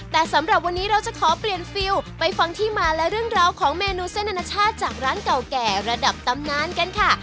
แต่สำหรับวันนี้เราจะขอเปลี่ยนฟิลไปฟังที่มาและเรื่องราวของเมนูเส้นอนาชาติจากร้านเก่าแก่ระดับตำนานกันค่ะ